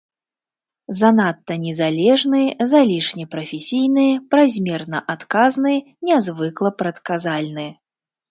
Занадта незалежны, залішне прафесійны, празмерна адказны, нязвыкла прадказальны.